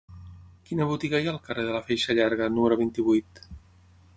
Quina botiga hi ha al carrer de la Feixa Llarga número vint-i-vuit?